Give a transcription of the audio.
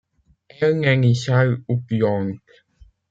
Elle n’est ni sale ou puante.